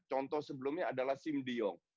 contoh sebelumnya adalah sim de jong